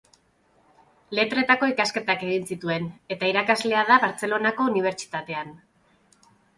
Letretako ikasketak egin zituen eta irakasle da Bartzelonako Unibertsitatean.